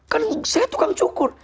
kan saya tukang cukur